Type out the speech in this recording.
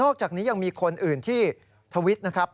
จากนี้ยังมีคนอื่นที่ทวิตนะครับ